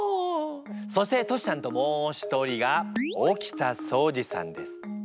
そしてトシちゃんともう一人が沖田総司さんです。